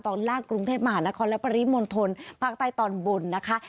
ตอนล่างกรุงเทพมหานครและปริมณฑลภาคใต้ตอนบนนะคะ